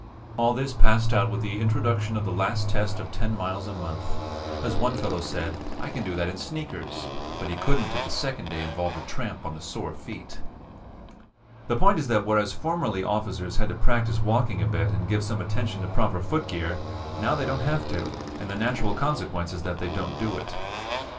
"All this passed out with the introduction of the last test of 10 miles a month. As one fellow said: 'I can do that in sneakers' but he couldn't if the second day involved a tramp on the sore feet. "The point is that whereas formerly officers had to practice walking a bit and give some attention to proper footgear, now they don't have to, and the natural consequence is that they don't do it.